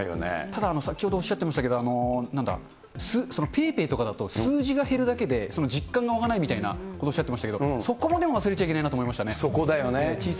ただ先ほどおっしゃってましたけど、ＰａｙＰａｙとかだと、数字が減るだけで、実感が湧かないみたいなことおっしゃってましたけど、そこまでは忘れちゃいけないなとそこだよね。